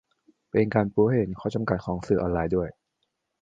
เป็นการปูให้เห็นข้อจำกัดของสื่อออนไลน์ด้วย